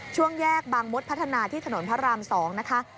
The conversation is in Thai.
ช่วงแยกบางมดพัฒนาที่ถนนพระราม๒นะคะ